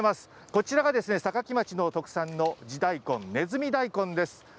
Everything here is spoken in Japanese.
こちらが坂城町の特産の地大根、ねずみ大根です。